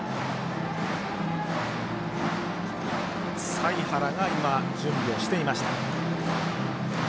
財原が準備をしていました。